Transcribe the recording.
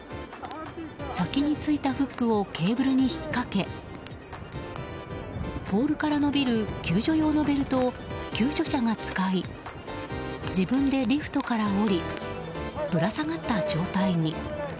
先についたフックをケーブルに引っかけポールから伸びる救助用のベルトを救助者が使い自分でリフトから降りぶら下がった状態に。